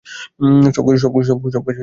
সব কাজ একা করতে পারবেন না।